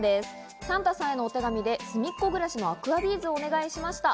サンタさんへのお手紙で『すみっコぐらし』のアクアビーズを頼みました。